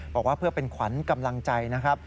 บอกว่าเพื่อเป็นขวัญกำลังใจนะครับ